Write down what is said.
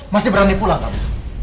masih berani pulang kamu